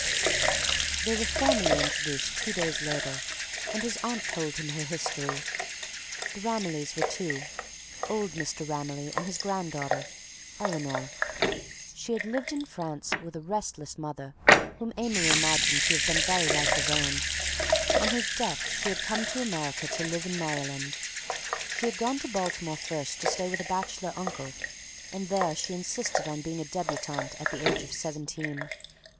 They were formally introduced two days later, and his aunt told him her history. The Ramillys were two: old Mr. Ramilly and his granddaughter, Eleanor. She had lived in France with a restless mother whom Amory imagined to have been very like his own, on whose death she had come to America, to live in Maryland. She had gone to Baltimore first to stay with a bachelor uncle, and there she insisted on being a debutante at the age of seventeen.